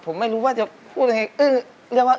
ผมไม่รู้ว่าจะพูดขนาดคะ